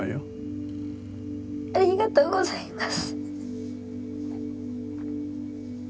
ありがとうございます。